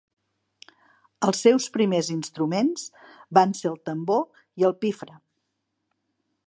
Els seus primers instruments van ser el tambor i el pifre.